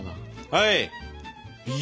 はい！